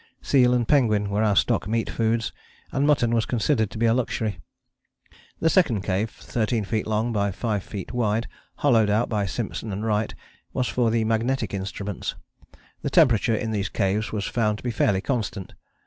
Seal and penguin were our stock meat foods, and mutton was considered to be a luxury. The second cave, 13 feet long by 5 feet wide, hollowed out by Simpson and Wright, was for the magnetic instruments. The temperature of these caves was found to be fairly constant.